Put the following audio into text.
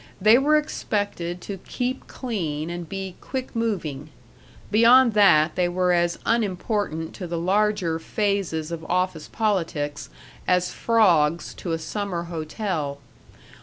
They were expected to keep clean and be quick moving; beyond that they were as unimportant to the larger phases of office politics as frogs to a summer hotel.